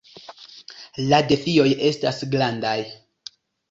La defioj estas grandaj.